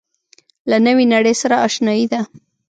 له نوې نړۍ سره آشنايي ده.